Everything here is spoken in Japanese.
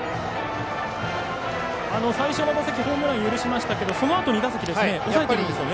最初の打席ホームランを許しましたがそのあと２打席抑えてますね。